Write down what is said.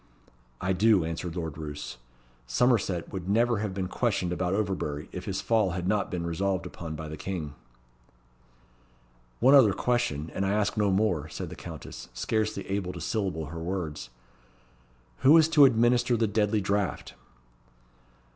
"I do," answered Lord Roos. "Somerset would never have been questioned about Overbury, if his fall had not been resolved upon by the King." "One other question, and I ask no more," said the Countess, scarcely able to syllable her words. "Who is to administer the deadly draught?"